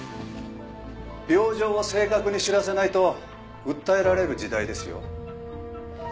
病状を正確に知らせないと訴えられる時代ですよ。